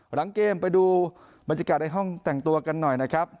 หลังเกมไปดูบรรยากาศในห้องแต่งตัวกันหน่อยนะครับ